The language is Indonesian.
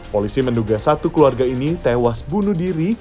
polisi menduga satu keluarga ini tewas bunuh diri